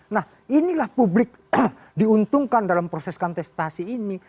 nah inilah publik diuntungkan dalam proses kontestasi ini